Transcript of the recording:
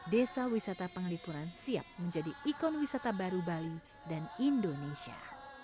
desa wisata penglipuran siap menjadi ikon wisata baru bali dan indonesia